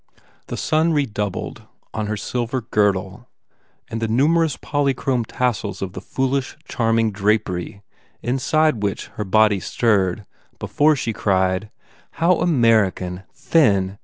The sun redoubled on her silver gir dle and the numerous polychrome tassels of the foolish, charming drapery inside which her body stirred before she cried, "How American! Thin!